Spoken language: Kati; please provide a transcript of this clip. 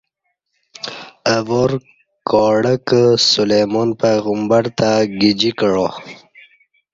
اہ وار کاڈکہ سلیمان پیغبرتہ گجی کعا